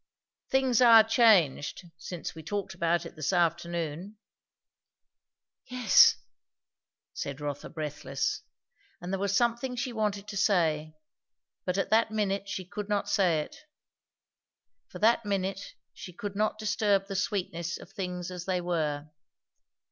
"Things are changed, since we talked about it this afternoon." "Yes! " said Rotha breathless. And there was something she wanted to say, but at that minute she could not say it. For that minute she could not disturb the sweetness of things as they were.